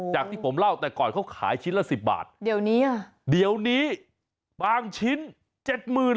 จากที่ผมเล่าแต่ก่อนเขาขายชิ้นละ๑๐บาทเดี๋ยวนี้บางชิ้น๗๐๐๐๐เลยนะ